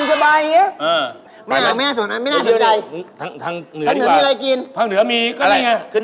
สุเรียน